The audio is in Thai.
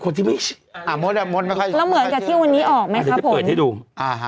ของวิวอ่ะมองเหมือนกับที่วันนี้ออกไหมครับผมให้ดูอาฮะ